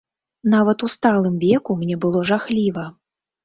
Нават у сталым веку мне было жахліва.